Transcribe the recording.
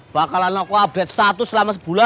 bakalan update status selama sebulan